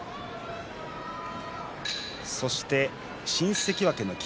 そして新関脇の霧